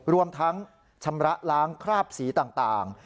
รวมทั้งชำระล้างคราบสีต่าง